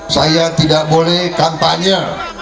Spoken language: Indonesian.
saya tidak boleh kampanye